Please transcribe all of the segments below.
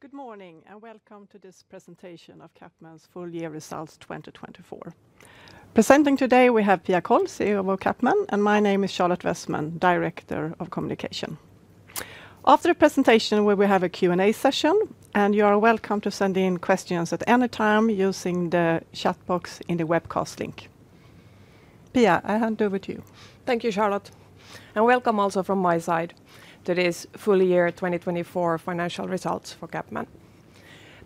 Good morning and welcome to this Presentation of CapMan's Full Year Results 2024. Presenting today, we have Pia Kåll, CEO of CapMan, and my name is Charlotte Wessman, Director of Communications. After the presentation, we will have a Q&A session, and you are welcome to send in questions at any time using the chat box in the webcast link. Pia, I hand over to you. Thank you, Charlotte, and welcome also from my side to this full year 2024 financial results for CapMan.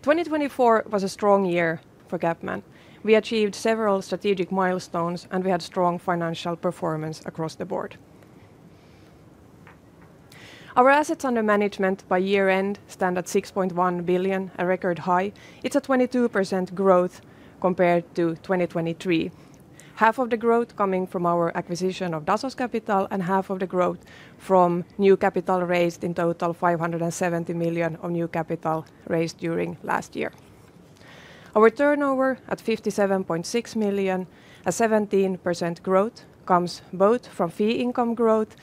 2024 was a strong year for CapMan. We achieved several strategic milestones, and we had strong financial performance across the board. Our assets under management by year-end stand at 6.1 billion, a record high. It's a 22% growth compared to 2023, half of the growth coming from our acquisition of Dasos Capital, and half of the growth from new capital raised in total, 570 million of new capital raised during last year. Our turnover at 57.6 million, a 17% growth, comes both from fee income growth,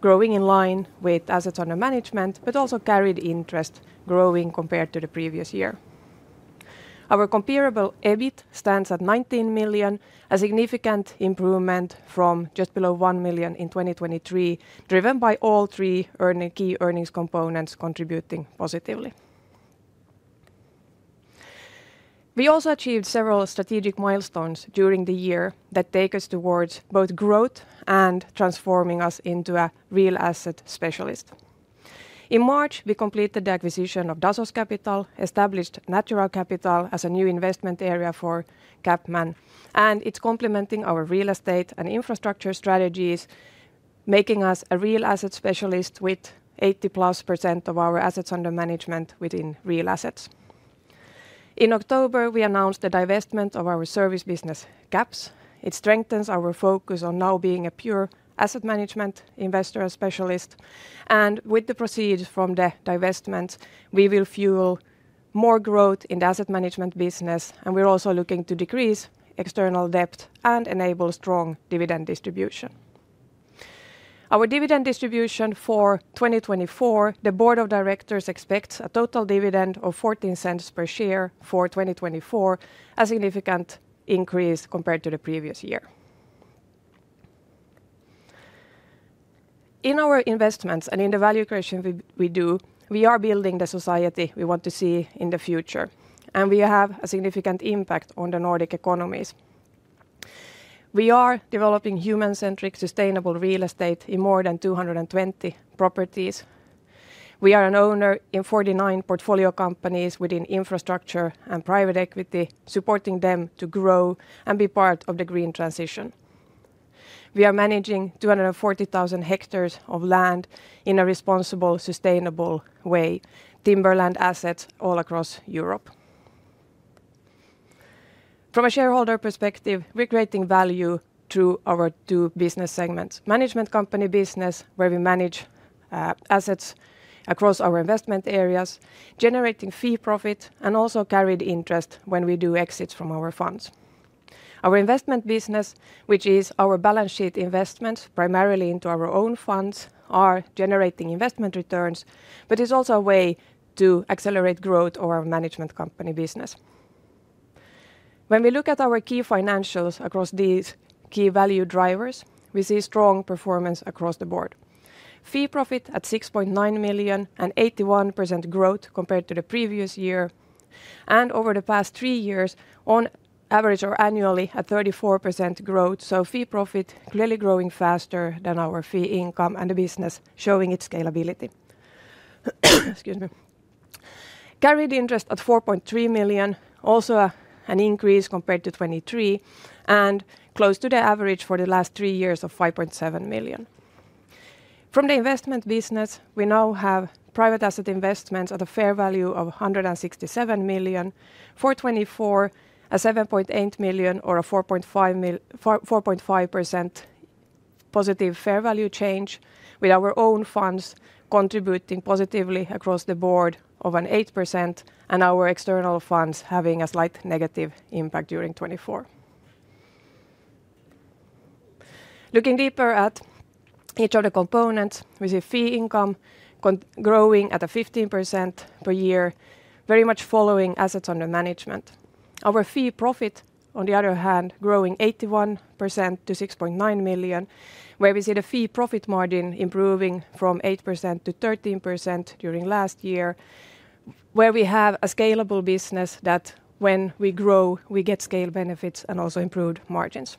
growing in line with assets under management, but also carried interest growing compared to the previous year. Our comparable EBIT stands at 19 million, a significant improvement from just below 1 million in 2023, driven by all three key earnings components contributing positively. We also achieved several strategic milestones during the year that take us towards both growth and transforming us into a real asset specialist. In March, we completed the acquisition of Dasos Capital, established Natural Capital as a new investment area for CapMan, and it's complementing our real estate and infrastructure strategies, making us a real asset specialist with 80+% of our assets under management within real assets. In October, we announced the divestment of our service business, CaPS. It strengthens our focus on now being a pure asset management investor specialist, and with the proceeds from the divestment, we will fuel more growth in the asset management business, and we are also looking to decrease external debt and enable strong dividend distribution. Our dividend distribution for 2024, the board of directors expects a total dividend of 0.14 per share for 2024, a significant increase compared to the previous year. In our investments and in the value creation we do, we are building the society we want to see in the future, and we have a significant impact on the Nordic economies. We are developing human-centric sustainable real estate in more than 220 properties. We are an owner in 49 portfolio companies within infrastructure and private equity, supporting them to grow and be part of the green transition. We are managing 240,000 hectares of land in a responsible, sustainable way, timberland assets all across Europe. From a shareholder perspective, we're creating value through our two business segments: management company business, where we manage assets across our investment areas, generating fee profit and also carried interest when we do exits from our funds. Our investment business, which is our balance sheet investments primarily into our own funds, is generating investment returns, but it's also a way to accelerate growth of our management company business. When we look at our key financials across these key value drivers, we see strong performance across the board: fee profit at 6.9 million and 81% growth compared to the previous year, and over the past three years, on average or annually, a 34% growth. So fee profit clearly growing faster than our fee income and the business showing its scalability. Carried interest at 4.3 million, also an increase compared to 2023 and close to the average for the last three years of 5.7 million. From the investment business, we now have private asset investments at a fair value of 167 million. For 2024, 7.8 million or a 4.5% positive fair value change, with our own funds contributing positively across the board of an 8% and our external funds having a slight negative impact during 2024. Looking deeper at each of the components, we see fee income growing at a 15% per year, very much following assets under management. Our fee profit, on the other hand, growing 81% to 6.9 million, where we see the fee profit margin improving from 8%-13% during last year, where we have a scalable business that when we grow, we get scale benefits and also improved margins.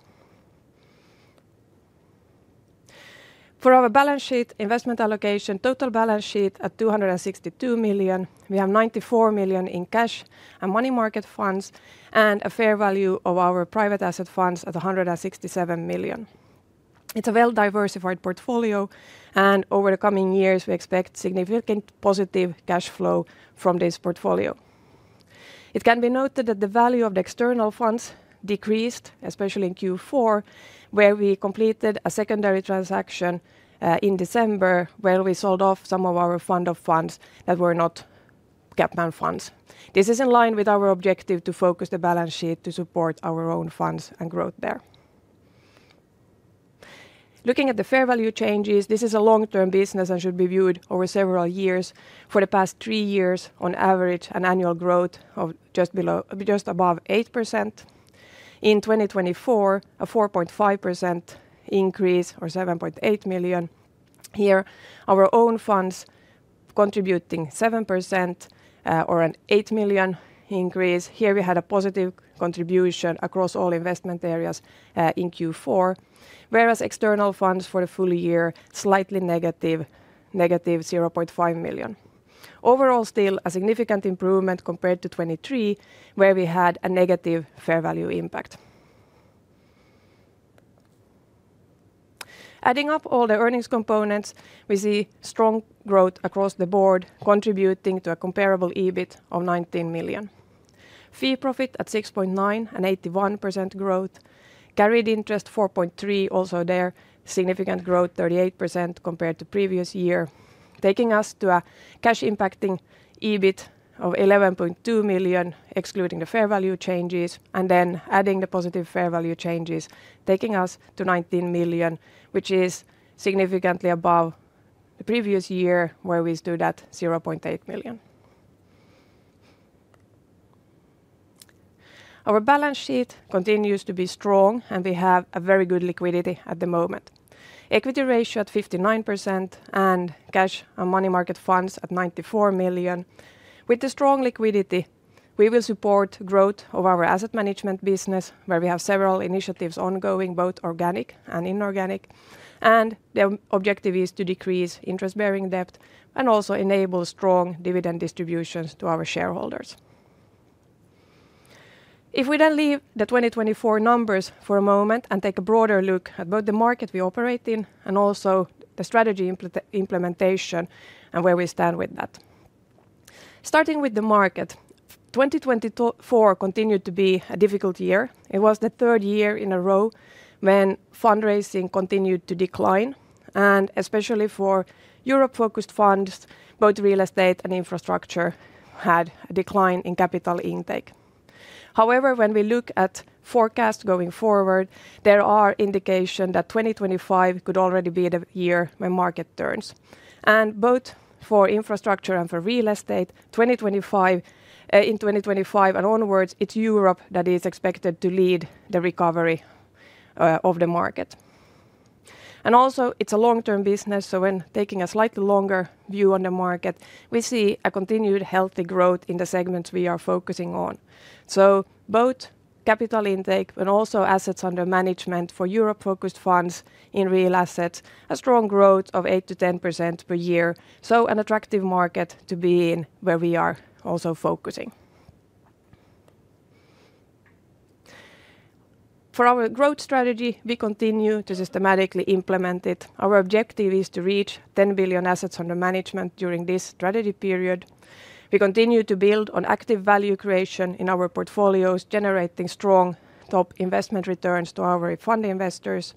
For our balance sheet investment allocation, total balance sheet at 262 million, we have 94 million in cash and money market funds and a fair value of our private asset funds at 167 million. It's a well-diversified portfolio, and over the coming years, we expect significant positive cash flow from this portfolio. It can be noted that the value of the external funds decreased, especially in Q4, where we completed a secondary transaction in December, where we sold off some of our fund of funds that were not CapMan funds. This is in line with our objective to focus the balance sheet to support our own funds and growth there. Looking at the fair value changes, this is a long-term business and should be viewed over several years. For the past three years, on average, an annual growth of just above 8%. In 2024, a 4.5% increase or 7.8 million. Here, our own funds contributing 7% or an 8 million increase. Here, we had a positive contribution across all investment areas in Q4, whereas external funds for the full year slightly negative, negative 0.5 million. Overall, still a significant improvement compared to 2023, where we had a negative fair value impact. Adding up all the earnings components, we see strong growth across the board contributing to a Comparable EBIT of 19 million. Fee profit at 6.9 and 81% growth, carried interest 4.3, also there significant growth, 38% compared to previous year, taking us to a cash impacting EBIT of 11.2 million, excluding the fair value changes, and then adding the positive fair value changes, taking us to 19 million, which is significantly above the previous year where we stood at 0.8 million. Our balance sheet continues to be strong, and we have a very good liquidity at the moment. Equity ratio at 59% and cash and money market funds at 94 million. With the strong liquidity, we will support growth of our asset management business, where we have several initiatives ongoing, both organic and inorganic, and the objective is to decrease interest-bearing debt and also enable strong dividend distributions to our shareholders. If we then leave the 2024 numbers for a moment and take a broader look at both the market we operate in and also the strategy implementation and where we stand with that. Starting with the market, 2024 continued to be a difficult year. It was the third year in a row when fundraising continued to decline, and especially for Europe-focused funds, both real estate and infrastructure had a decline in capital intake. However, when we look at forecasts going forward, there are indications that 2025 could already be the year when market turns. And both for infrastructure and for real estate, in 2025 and onwards, it's Europe that is expected to lead the recovery of the market. And also, it's a long-term business, so when taking a slightly longer view on the market, we see a continued healthy growth in the segments we are focusing on. So both capital intake and also assets under management for Europe-focused funds in real assets, a strong growth of 8%-10% per year. So an attractive market to be in where we are also focusing. For our growth strategy, we continue to systematically implement it. Our objective is to reach 10 billion assets under management during this strategy period. We continue to build on active value creation in our portfolios, generating strong top investment returns to our fund investors,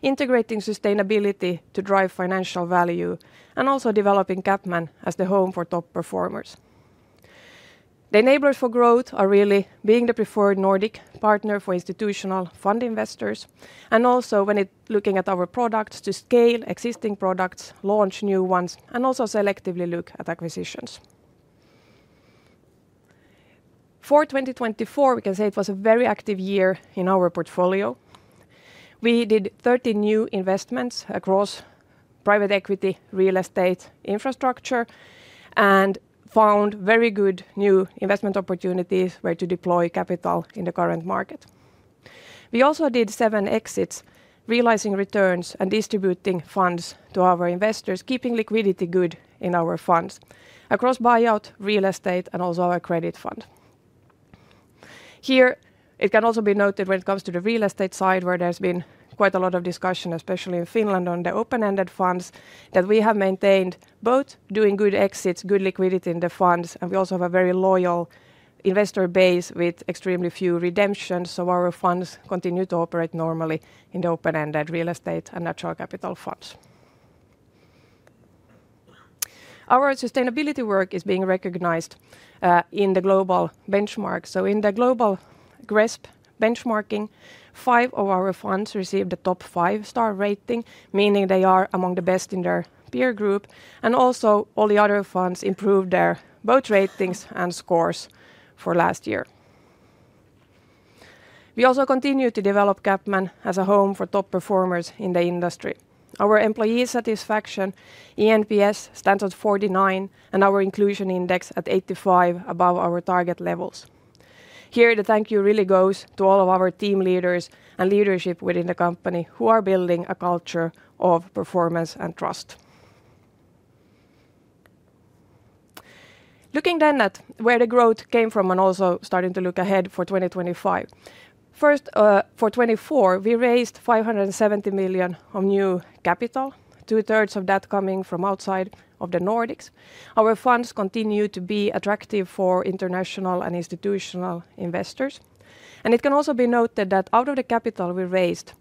integrating sustainability to drive financial value, and also developing CapMan as the home for top performers. The enablers for growth are really being the preferred Nordic partner for institutional fund investors, and also when looking at our products to scale existing products, launch new ones, and also selectively look at acquisitions. For 2024, we can say it was a very active year in our portfolio. We did 30 new investments across private equity, real estate, infrastructure, and found very good new investment opportunities where to deploy capital in the current market. We also did seven exits, realizing returns and distributing funds to our investors, keeping liquidity good in our funds across buyout, real estate, and also our credit fund. Here, it can also be noted when it comes to the real estate side where there's been quite a lot of discussion, especially in Finland on the open-ended funds, that we have maintained both doing good exits, good liquidity in the funds, and we also have a very loyal investor base with extremely few redemptions, so our funds continue to operate normally in the open-ended real estate and natural capital funds. Our sustainability work is being recognized in the global benchmarks. So in the global GRESB benchmarking, five of our funds received the top five-star rating, meaning they are among the best in their peer group, and also all the other funds improved their both ratings and scores for last year. We also continue to develop CapMan as a home for top performers in the industry. Our employee satisfaction, eNPS stands at 49, and our Inclusion Index at 85, above our target levels. Here, the thank you really goes to all of our team leaders and leadership within the company who are building a culture of performance and trust. Looking then at where the growth came from and also starting to look ahead for 2025. First, for 2024, we raised 570 million of new capital, two-thirds of that coming from outside of the Nordics. Our funds continue to be attractive for international and institutional investors. And it can also be noted that out of the capital we raised,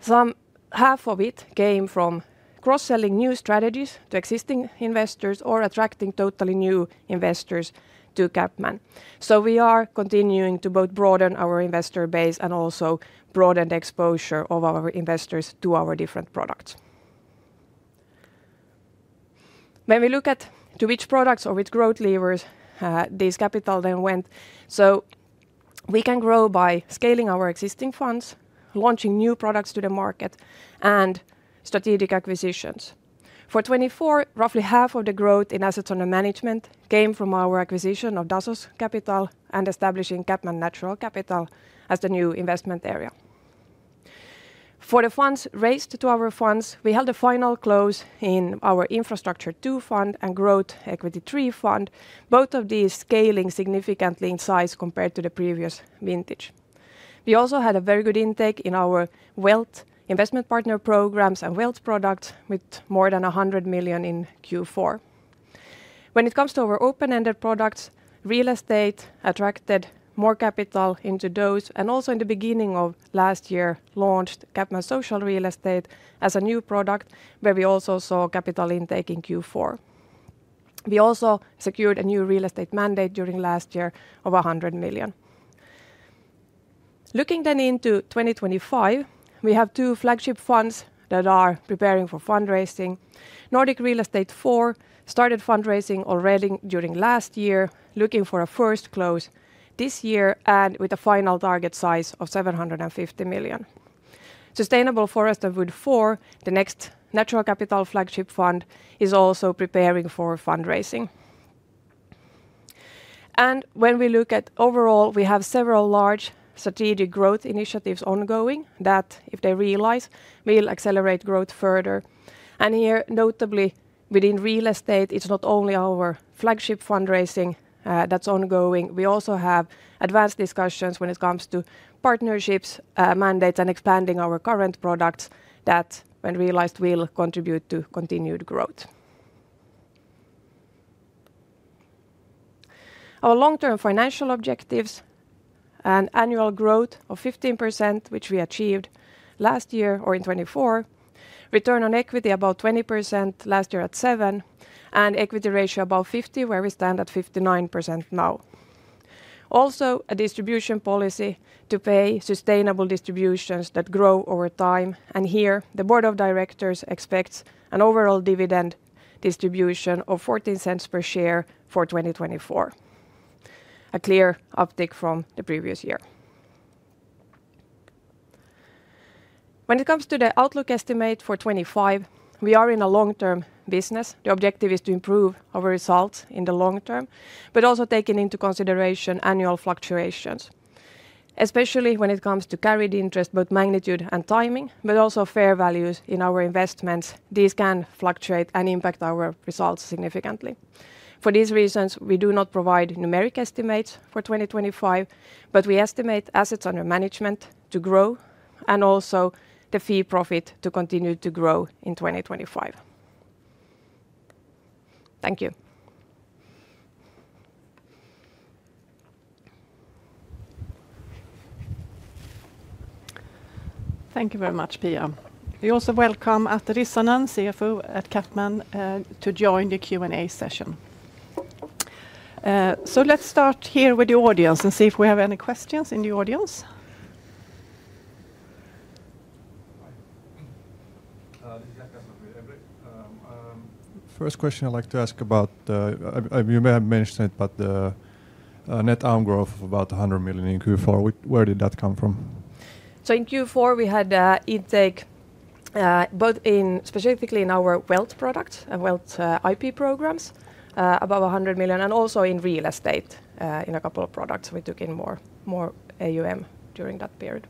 some half of it came from cross-selling new strategies to existing investors or attracting totally new investors to CapMan. So we are continuing to both broaden our investor base and also broaden the exposure of our investors to our different products. When we look at to which products or which growth levers this capital then went, so we can grow by scaling our existing funds, launching new products to the market, and strategic acquisitions. For 2024, roughly half of the growth in assets under management came from our acquisition of Dasos Capital and establishing CapMan Natural Capital as the new investment area. For the funds raised to our funds, we held a final close in our Infrastructure II fund and Growth Equity III fund, both of these scaling significantly in size compared to the previous vintage. We also had a very good intake in our wealth investment partner programs and wealth products with more than 100 million in Q4. When it comes to our open-ended products, real estate attracted more capital into those, and also in the beginning of last year, launched CapMan Social Real Estate as a new product where we also saw capital intake in Q4. We also secured a new real estate mandate during last year of 100 million. Looking then into 2025, we have two flagship funds that are preparing for fundraising. Nordic Real Estate IV started fundraising already during last year, looking for a first close this year and with a final target size of 750 million. Sustainable Forest and Wood IV, the next natural capital flagship fund, is also preparing for fundraising. And when we look at overall, we have several large strategic growth initiatives ongoing that, if they realize, will accelerate growth further. And here, notably within real estate, it's not only our flagship fundraising that's ongoing. We also have advanced discussions when it comes to partnerships, mandates, and expanding our current products that, when realized, will contribute to continued growth. Our long-term financial objectives [include] annual growth of 15%, which we achieved last year or in 2024, return on equity about 20% last year at 7%, and equity ratio about 50%, where we stand at 59% now. Also, a distribution policy to pay sustainable distributions that grow over time, and here, the board of directors expects an overall dividend distribution of 0.14 per share for 2024, a clear uptick from the previous year. When it comes to the outlook estimate for 2025, we are in a long-term business. The objective is to improve our results in the long term, but also taking into consideration annual fluctuations. Especially when it comes to carried interest, both magnitude and timing, but also fair values in our investments, these can fluctuate and impact our results significantly. For these reasons, we do not provide numeric estimates for 2025, but we estimate assets under management to grow and also the fee profit to continue to grow in 2025. Thank you. Thank you very much, Pia. You're also welcome, Atte Rissanen, CFO at CapMan, to join the Q&A session. So let's start here with the audience and see if we have any questions in the audience. First question I'd like to ask about, you may have mentioned it, but the net AUM growth of about 100 million in Q4, where did that come from? So in Q4, we had intake both specifically in our wealth products and Wealth IP programs, about 100 million, and also in real estate in a couple of products. We took in more AUM during that period.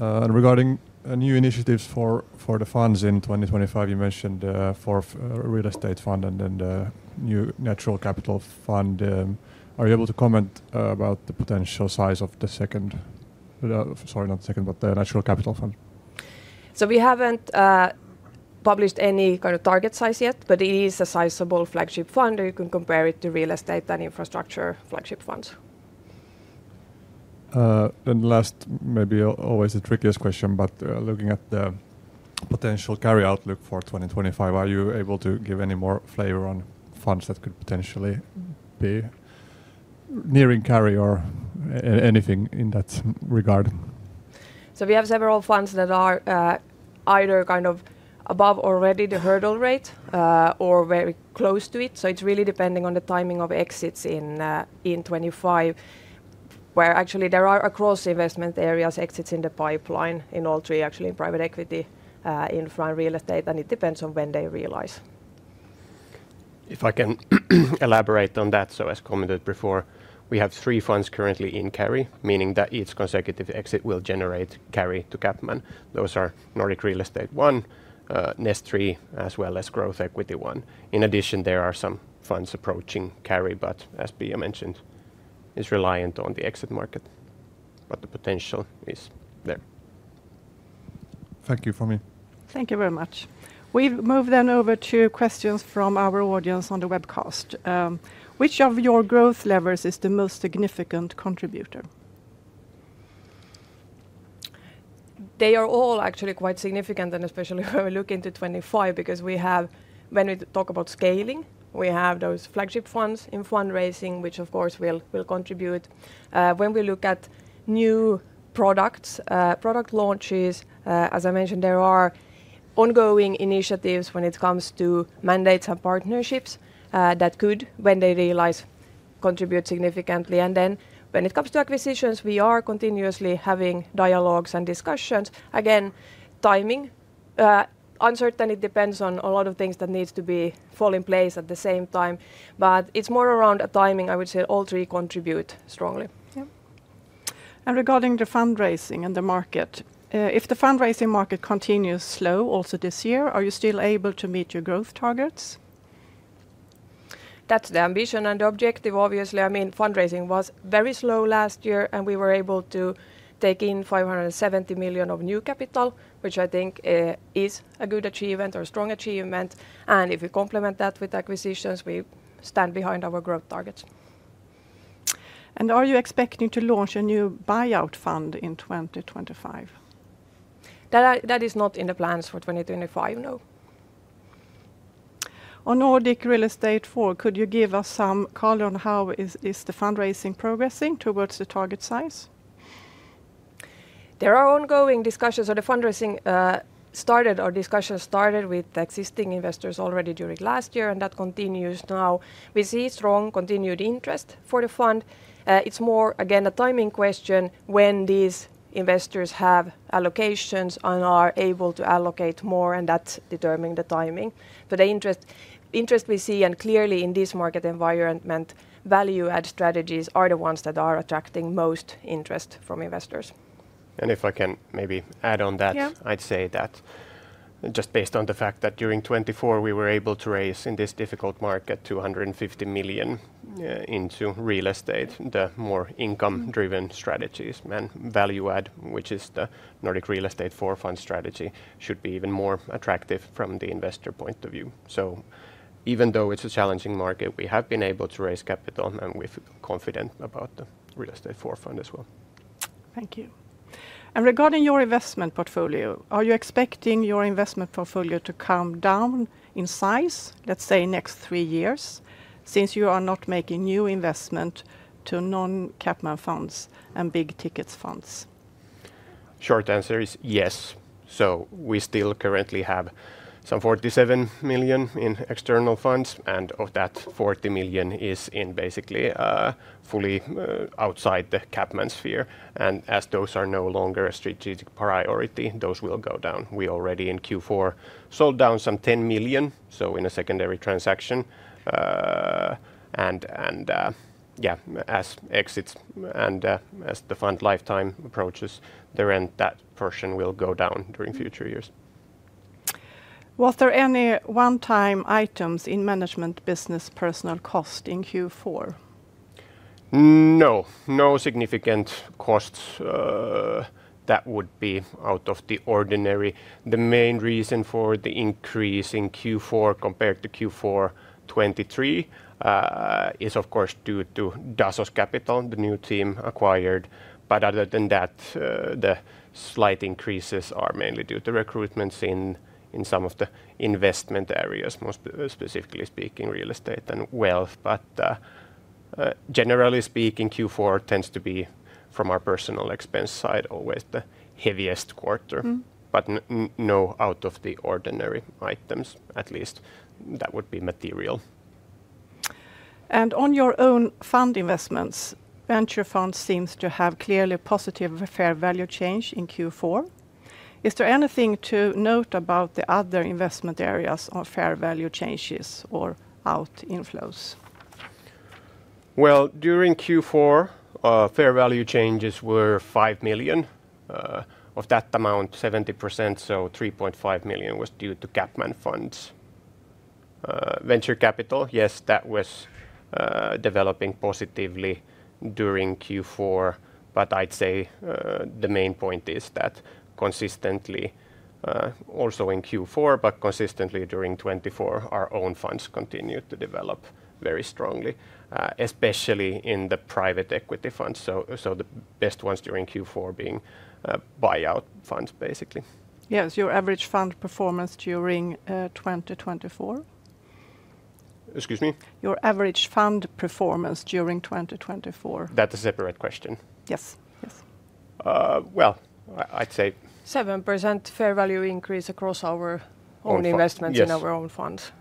And regarding new initiatives for the funds in 2025, you mentioned the fourth real estate fund and then the new natural capital fund. Are you able to comment about the potential size of the second, sorry, not the second, but the natural capital fund? So we haven't published any kind of target size yet, but it is a sizable flagship fund. You can compare it to real estate and infrastructure flagship funds. Then the last, maybe always the trickiest question, but looking at the potential carry outlook for 2025, are you able to give any more flavor on funds that could potentially be nearing carry or anything in that regard? So we have several funds that are either kind of above already the hurdle rate or very close to it. It's really depending on the timing of exits in 2025, where actually there are, across investment areas, exits in the pipeline in all three, actually in private equity, real estate, and infrastructure, and it depends on when they realize. If I can elaborate on that, so as commented before, we have three funds currently in carry, meaning that each consecutive exit will generate carry to CapMan. Those are Nordic Real Estate I, NRE III, as well as Growth Equity I. In addition, there are some funds approaching carry, but as Pia mentioned, it's reliant on the exit market, but the potential is there. Thank you, from me. Thank you very much. We move then over to questions from our audience on the webcast. Which of your growth levers is the most significant contributor? They are all actually quite significant, and especially when we look into 2025, because we have, when we talk about scaling, we have those flagship funds in fundraising, which of course will contribute. When we look at new products, product launches, as I mentioned, there are ongoing initiatives when it comes to mandates and partnerships that could, when they realize, contribute significantly. And then when it comes to acquisitions, we are continuously having dialogues and discussions. Again, timing, uncertain, it depends on a lot of things that need to fall in place at the same time, but it's more around timing. I would say all three contribute strongly. And regarding the fundraising and the market, if the fundraising market continues slow also this year, are you still able to meet your growth targets? That's the ambition and the objective, obviously. I mean, fundraising was very slow last year, and we were able to take in 570 million of new capital, which I think is a good achievement or a strong achievement. And if we complement that with acquisitions, we stand behind our growth targets. And are you expecting to launch a new buyout fund in 2025? That is not in the plans for 2025, no. On Nordic Real Estate IV, could you give us some color on how is the fundraising progressing towards the target size? There are ongoing discussions, so the fundraising started or discussions started with existing investors already during last year, and that continues now. We see strong continued interest for the fund. It's more, again, a timing question when these investors have allocations and are able to allocate more, and that's determining the timing. The interest we see, and clearly in this market environment, value-add strategies are the ones that are attracting most interest from investors. If I can maybe add on that, I'd say that just based on the fact that during 2024, we were able to raise in this difficult market 250 million into real estate, the more income-driven strategies and value-add, which is the Nordic Real Estate IV fund strategy, should be even more attractive from the investor point of view. Even though it's a challenging market, we have been able to raise capital, and we're confident about the real estate IV fund as well. Thank you. Regarding your investment portfolio, are you expecting your investment portfolio to come down in size, let's say next three years, since you are not making new investment to non-CapMan funds and big ticket funds? Short answer is yes. We still currently have some 47 million in external funds, and of that, 40 million is in basically fully outside the CapMan sphere. And as those are no longer a strategic priority, those will go down. We already in Q4 sold down some 10 million, so in a secondary transaction. And yeah, as exits and as the fund lifetime approaches, the remainder, that portion will go down during future years. Was there any one-time items in management business personnel cost in Q4? No, no significant costs that would be out of the ordinary. The main reason for the increase in Q4 compared to Q4 2023 is of course due to Dasos Capital, the new team acquired. But other than that, the slight increases are mainly due to recruitments in some of the investment areas, most specifically speaking real estate and wealth. But generally speaking, Q4 tends to be, from our personnel expense side, always the heaviest quarter, but no out-of-the-ordinary items, at least that would be material. And on your own fund investments, venture funds seem to have clearly positive fair value change in Q4. Is there anything to note about the other investment areas or fair value changes or outflows? Well, during Q4, fair value changes were 5 million. Of that amount, 70%, so 3.5 million was due to CapMan funds. Venture capital, yes, that was developing positively during Q4, but I'd say the main point is that consistently, also in Q4, but consistently during 2024, our own funds continued to develop very strongly, especially in the private equity funds. So the best ones during Q4 being buyout funds, basically. Yes, your average fund performance during 2024? Excuse me? Your average fund performance during 2024. That's a separate question. Yes, yes. Well, I'd say. 7% fair value increase across our own investments in our own funds.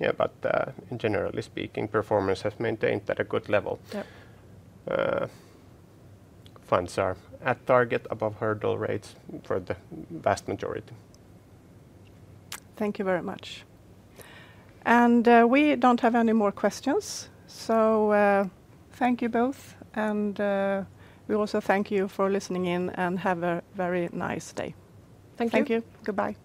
Yeah, but generally speaking, performance has maintained at a good level. Funds are at target, above hurdle rates for the vast majority. Thank you very much, and we don't have any more questions, so thank you both, and we also thank you for listening in and have a very nice day. Thank you. Thank you, goodbye.